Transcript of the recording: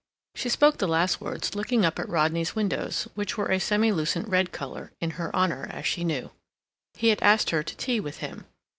She spoke the last words looking up at Rodney's windows, which were a semilucent red color, in her honor, as she knew. He had asked her to tea with him.